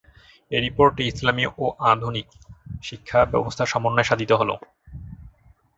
এই রিপোর্টে ইসলামি ও আধুনিক শিক্ষা ব্যবস্থার সমন্বয় সাধিত ছিলো।